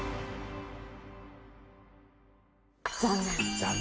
残念。